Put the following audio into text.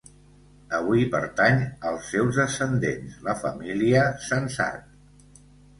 Avui pertany als seus descendents, la família Sensat.